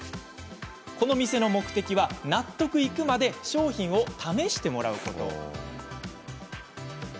この店の目的は、納得いくまで商品を試してもらうこと。